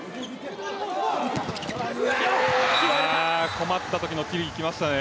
困ったときのティリ、きましたね